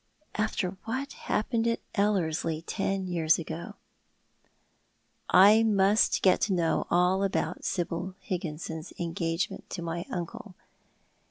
"After what happened at Ellerslie ten years ago." I must get to know all about Sibyl Il'gginson's engagement to my uncle.